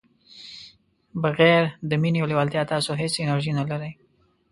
بغير د مینې او لیوالتیا تاسو هیڅ انرژي نه لرئ.